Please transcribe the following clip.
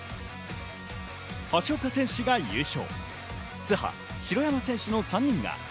橋岡選手が優勝。